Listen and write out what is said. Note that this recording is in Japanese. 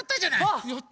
あっ！